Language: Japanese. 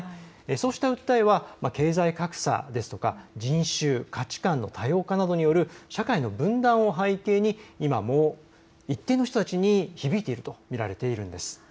そうした訴えは経済格差や人種、価値観の多様化などによる社会の分断を背景に今も一定の人たちに響いていると見られているんです。